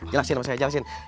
jelasin mas jelasin